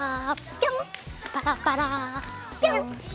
ピョン！